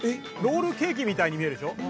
ロールケーキみたいに見えるでしょ？